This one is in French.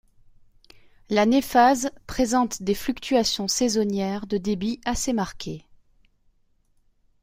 La Néphaz présente des fluctuations saisonnières de débit assez marquées.